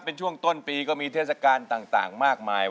เป็นช่วงต้นปีก็มีเทศกาลต่างมากมาย